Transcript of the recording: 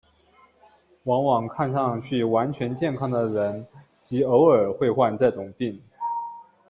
往往看上去完全健康的人极偶尔会患这种病。